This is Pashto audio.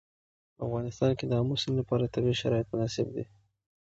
په افغانستان کې د آمو سیند لپاره طبیعي شرایط مناسب دي.